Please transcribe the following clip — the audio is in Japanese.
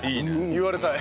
言われたい。